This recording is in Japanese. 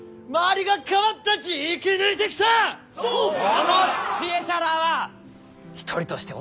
その知恵者らあは一人として同じ者はおらん！